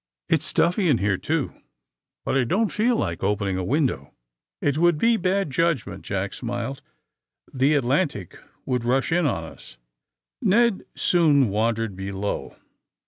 It's stuffy in here, too, but I don't feel like opening a win dow. '' '^It would be bad judgment," Jack smiled. The Atlantic would rush in on us." Ned soon wandered below.